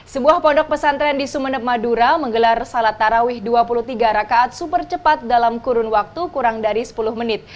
sebuah pondok pesantren di sumeneb madura menggelar salat tarawih dua puluh tiga rakaat super cepat dalam kurun waktu kurang dari sepuluh menit